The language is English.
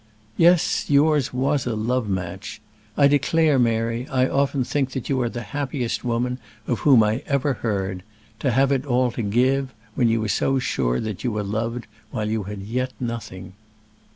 "Yes; yours was a love match. I declare, Mary, I often think that you are the happiest woman of whom I ever heard; to have it all to give, when you were so sure that you were loved while you yet had nothing."